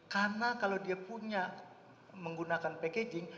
karena kalau dia punya menggunakan packaging